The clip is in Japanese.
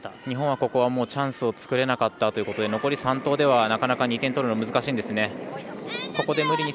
日本はチャンスを作れなかったということで残り３投ではなかなか２点取るのが難しいですね。